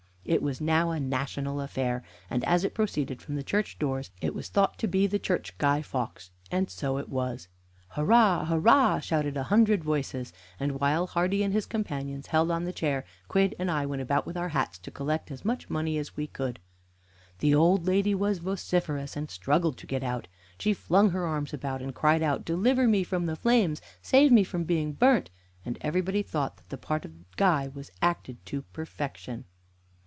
It was now a national affair, and, as it proceeded from the church doors, it was thought to be the church Guy Fawkes and so it was. "Hurrah! hurrah!" shouted a hundred voices; and while Hardy and his companions held on the chair, Quidd and I went about with our hats to collect as much money as we could. The old lady was vociferous, and struggled to get out. She flung her arms about, and cried out, "Deliver me from the flames! Save me from being burnt!" and everybody thought that the part of guy was acted to perfection.